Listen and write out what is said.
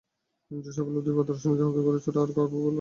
যে-সব উপলব্ধি বা দর্শনাদি হবে, গুরু ছাড়া আর কাকেও তা বলবে না।